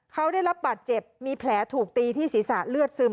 เขาได้รับบาดเจ็บมีแผลถูกตีที่ศีรษะเลือดซึม